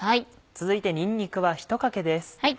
続いてにんにくは１かけです。